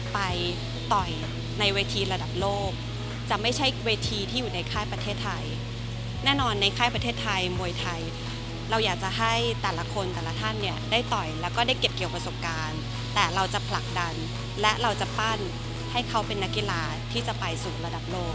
ไปต่อยในเวทีระดับโลกจะไม่ใช่เวทีที่อยู่ในค่ายประเทศไทยแน่นอนในค่ายประเทศไทยมวยไทยเราอยากจะให้แต่ละคนแต่ละท่านเนี่ยได้ต่อยแล้วก็ได้เก็บเกี่ยวประสบการณ์แต่เราจะผลักดันและเราจะปั้นให้เขาเป็นนักกีฬาที่จะไปสู่ระดับโลก